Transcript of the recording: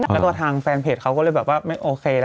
แล้วก็ทางแฟนเพจเขาก็เลยไม่โอเค